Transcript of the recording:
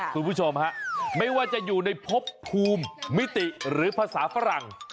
คุณผู้ชมฮะไม่ว่าจะอยู่ในพบภูมิมิติหรือภาษาฝรั่ง